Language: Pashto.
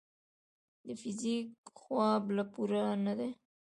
د فزیک خواب لا پوره نه دی.